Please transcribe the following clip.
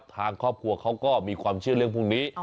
ทางครอบครัวเขาก็มีความเชื่อเรื่องพวกนี้